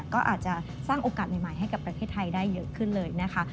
ก็อาจจะสร้างโอกาสใหม่ให้กับประเทศไทยได้เยอะขึ้นเลยนะคะ